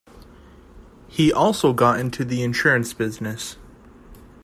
He also got into the insurance business.